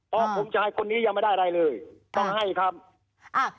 เพราะผมชายคนนี้ยังไม่ได้อะไรเลยต้องให้ครับอ่า